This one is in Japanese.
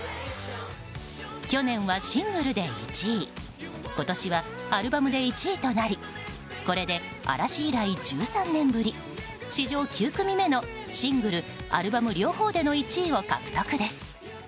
去年はシングルで１位今年はアルバムで１位となりこれで嵐以来、１３年ぶり史上９組目のシングル、アルバム両方での１位を獲得です。